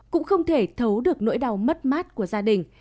cũng không thể thấu được nỗi đau mất mát của gia đình